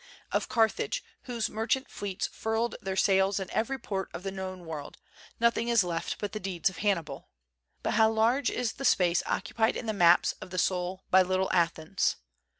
... Of Carthage, whose merchant fleets furled their sails in every port of the known world, nothing is left but the deeds of Hannibal. ... But how large is the space occupied in the maps of the soul by little Athens